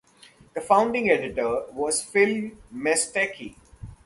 The founding editor was Phil Mestecky.